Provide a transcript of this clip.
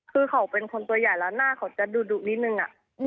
คือเขาเป็นคนตัวใหญ่แล้วหน้าเขาจะดุนิดนึง